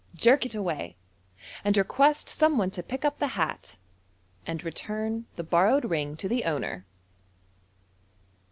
jerk it away, and request some one to pick up the hat, and return the borrowed ring to the owner.